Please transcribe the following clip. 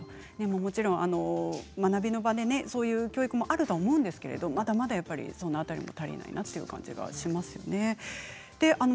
もちろん学びの場でそういう教育もあると思うんですがまだまだその辺り足りないなという感じがしますね。